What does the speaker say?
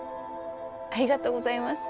ありがとうございます。